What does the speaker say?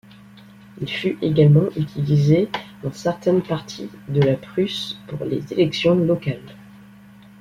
Il fut également utilisé dans certaines parties de la Prusse pour les élections locales.